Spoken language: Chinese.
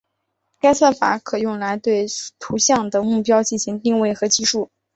该算法可用来对图像的目标进行定位和计数。